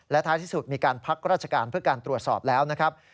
ท้ายที่สุดมีการพักราชการเพื่อการตรวจสอบแล้วนะครับ